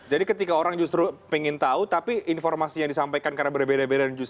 jadi ketika orang justru ingin tahu tapi informasi yang disampaikan karena berbeda beda